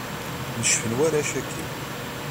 Necfen warrac-agi.